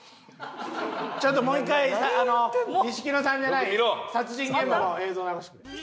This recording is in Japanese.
ちょっともう１回錦野さんじゃない殺人現場の映像を流してくれ。